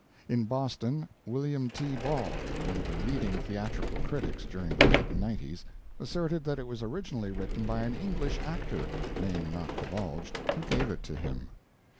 In Boston, William T. Ball, one of the leading theatrical critics during the late 90's, asserted that it was originally written by an English actor (name not divulged) who gave it to him.